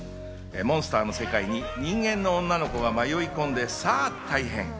モンスターの世界に人間の女の子が迷い込んで、さあ大変！